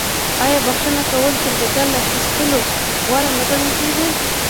آیا بخښنه کول تر بدل اخیستلو غوره نه ګڼل کیږي؟